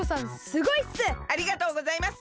すごいっす！